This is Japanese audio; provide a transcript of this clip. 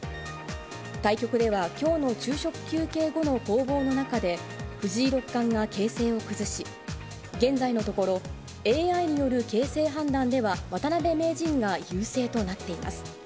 対局では、きょうの昼食休憩後の攻防の中で、藤井六冠が形勢を崩し、現在のところ、ＡＩによる形勢判断では、渡辺名人が優勢となっています。